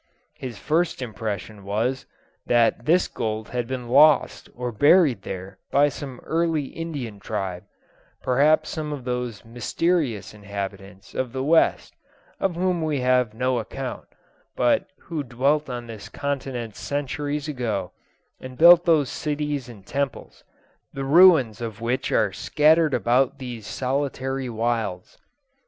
His first impression was, that this gold had been lost or buried there by some early Indian tribe perhaps some of those mysterious inhabitants of the west, of whom we have no account, but who dwelt on this continent centuries ago, and built those cities and temples, the ruins of which are scattered about these solitary wilds.